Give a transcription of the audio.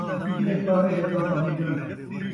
پچھلے پہرے دا کیا پرنیجݨ